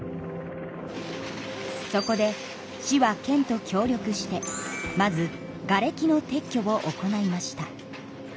そこで市は県と協力してまずがれきの撤去を行いました。